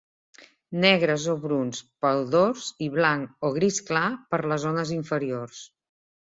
Negres o bruns pel dors i blanc o gris clar per les zones inferiors.